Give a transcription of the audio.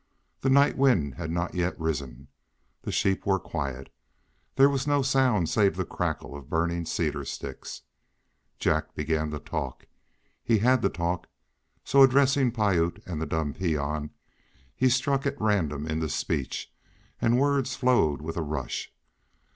The night wind had not yet risen; the sheep were quiet; there was no sound save the crackle of burning cedar sticks. Jack began to talk; he had to talk, so, addressing Piute and the dumb peon, he struck at random into speech, and words flowed with a rush.